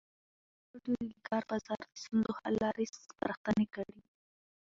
ازادي راډیو د د کار بازار د ستونزو حل لارې سپارښتنې کړي.